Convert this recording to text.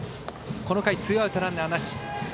この回ツーアウト、ランナーなし。